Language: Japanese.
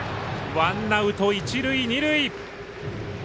ワンアウト、一塁二塁。